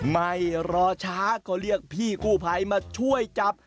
ไม่รอช้าก็เรียกพี่กู้ภัยมาช่วยจับ